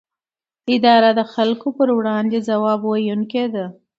اداره د خلکو پر وړاندې ځواب ویونکې ده.